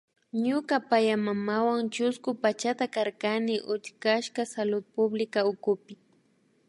Ñuka payaymamawan chusku pachata karkani utkashka Salud Pública ukupi